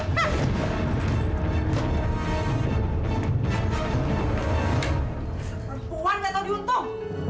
seorang perempuan yang tak tahu diuntung